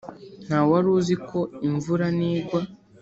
nta wari uzi ko imvura nigwa